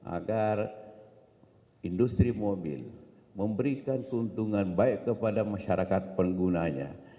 agar industri mobil memberikan keuntungan baik kepada masyarakat penggunanya